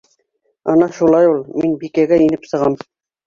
Ана шулай ул. Мин Бикәгә инеп сығам.